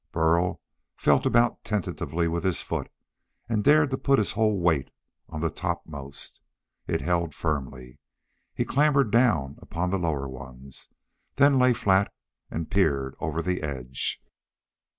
Burl felt about tentatively with his foot, then dared to put his whole weight on the topmost. It held firmly. He clambered down upon the lower ones, then lay flat and peered over the edge.